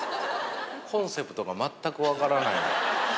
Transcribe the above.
コンセプトが全く分からない。